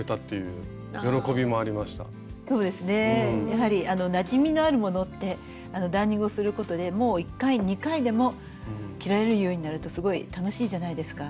やはりなじみのあるものってダーニングをすることでもう１回２回でも着られるようになるとすごい楽しいじゃないですか。